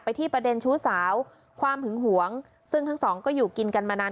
ที่ประเด็นชู้สาวความหึงหวงซึ่งทั้งสองก็อยู่กินกันมานาน